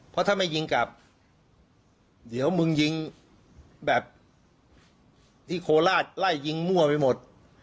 เพราะถ้าไม่ยิงกลับเดี๋ยวมึงยิงแบบที่โคราชไล่ยิงมั่วไปหมด